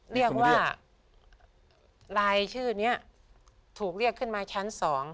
เรียกว่ารายชื่อนี้ถูกเรียกขึ้นมาชั้น๒